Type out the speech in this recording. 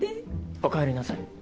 おかえりなさい。